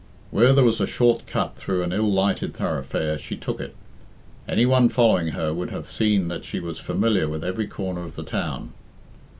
Where there was a short cut through an ill lighted thoroughfare, she took it. Any one following her would have seen that she was familiar with every corner of the town.